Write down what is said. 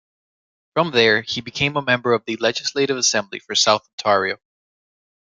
From there, he became a member of the Legislative Assembly for South Ontario.